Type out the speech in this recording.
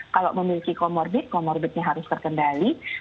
kalau memiliki komorbid komorbidnya harus terkendali